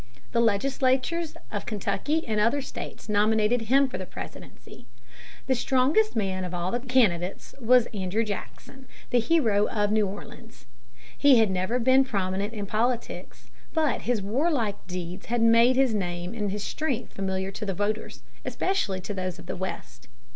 The legislatures of Kentucky and other states nominated him for the presidency. The strongest man of all the candidates was Andrew Jackson, the "Hero of New Orleans." He had never been prominent in politics. But his warlike deeds had made his name and his strength familiar to the voters, especially to those of the West.